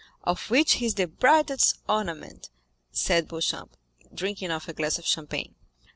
"Of which he is the brightest ornament," said Beauchamp, drinking off a glass of champagne.